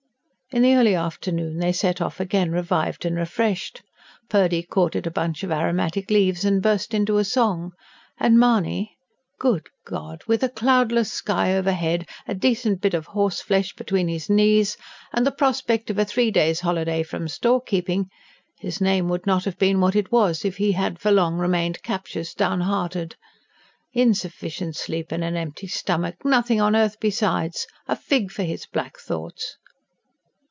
In the early afternoon they set off again, revived and refreshed. Purdy caught at a bunch of aromatic leaves and burst into a song; and Mahony. ... Good God! With a cloudless sky overhead, a decent bit of horseflesh between his knees, and the prospect of a three days' holiday from storekeeping, his name would not have been what it was if he had for long remained captious, downhearted. Insufficient sleep, and an empty stomach nothing on earth besides! A fig for his black thoughts!